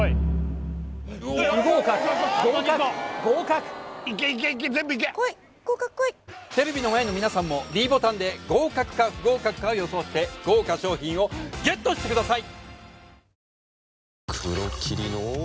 不合格合格合格来い合格来いテレビの前の皆さんもｄボタンで合格か不合格かを予想して豪華賞品をＧＥＴしてください！